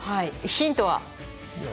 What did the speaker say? ヒントは？